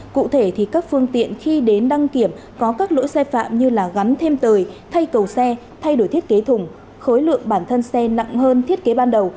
cụ thể thì các phương tiện khi đến đăng kiểm có các lỗi sai phạm như là gắn thêm tời thay cầu xe thay đổi thiết kế thùng khối lượng bản thân xe nặng hơn thiết kế ban đầu